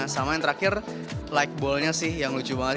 sama yang terakhir lightball nya sih yang lucu banget